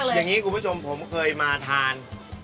อย่างนี้คุณผู้ชมผมเคยมาทาน